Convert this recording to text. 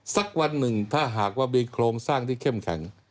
สักวันหนึ่งถ้าหากว่ามีโครงสร้างที่เข้มแข็ง